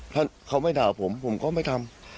ถ้าเขาไม่ด่าผมผมก็ไม่ทำ